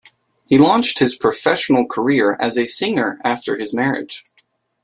He launched his professional career as a singer after his marriage.